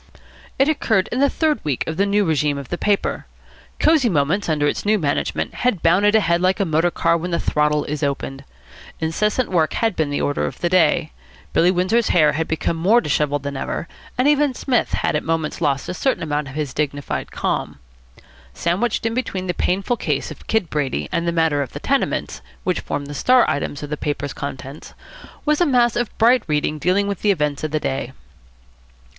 It occurred in the third week of the new régime of the paper. Cosy Moments, under its new management, had bounded ahead like a motor car when the throttle is opened. Incessant work had been the order of the day. Billy Windsor's hair had become more dishevelled than ever, and even Psmith had at moments lost a certain amount of his dignified calm. Sandwiched in between the painful case of Kid Brady and the matter of the tenements, which formed the star items of the paper's contents, was a mass of bright reading dealing with the events of the day.